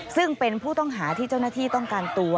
ซึ่งเป็นผู้ต้องหาที่เจ้าหน้าที่ต้องการตัว